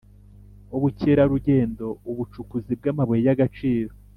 ubukerarugendo, ubucukuzi bw'amabuye y'agaciro